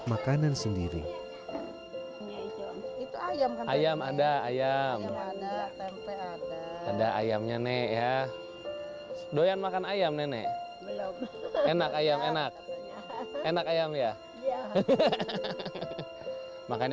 makan yang banyak ya nek ya